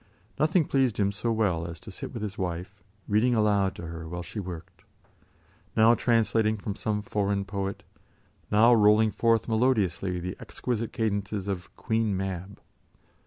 Nothing pleased him so well as to sit with his wife, reading aloud to her while she worked; now translating from some foreign poet, now rolling forth melodiously the exquisite cadences of "Queen Mab."